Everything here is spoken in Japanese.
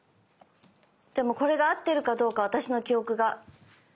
でもこれが合ってるかどうか私の記憶が。